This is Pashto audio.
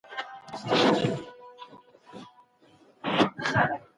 خیرات او صدقه د ټولني د سمون لپاره دي.